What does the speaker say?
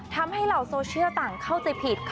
ทำให้เหล่าโซเชียร์ต่างเข้าใจผิด